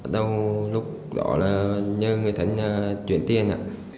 tôi lúc đó là nhớ người thân chuyển tiền